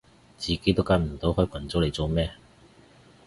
自己都跟唔到開群組嚟做咩